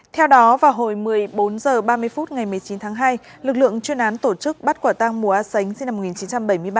theo đó vào hồi một mươi bốn h ba mươi phút ngày một mươi chín tháng hai lực lượng chuyên án tổ chức bắt quả tăng mùa á sánh sinh năm một nghìn chín trăm bảy mươi ba